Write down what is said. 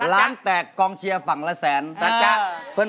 ร้านแตกกองเชียร์ฝั่งละแสน